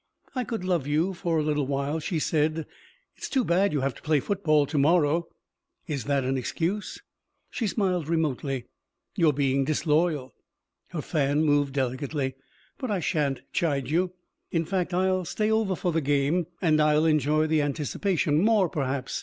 "I could love you for a little while," she said. "It's too bad you have to play football to morrow." "Is that an excuse?" She smiled remotely. "You're being disloyal." Her fan moved delicately. "But I shan't chide you. In fact, I'll stay over for the game and I'll enjoy the anticipation more, perhaps.